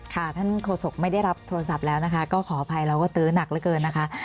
ท่านโฆษกไม่ได้รับโทรศัพท์แล้วนะคะก็ขออภัยเราก็ตื้อหนักเหลือเกินนะคะ